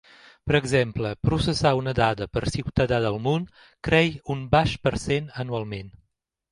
Per exemple, processar una dada per ciutadà del món creix un baix per cent anualment.